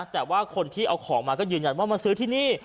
แต่ว่าคนที่เอาของมาก็ยืนยันว่ามาซื้อที่นี่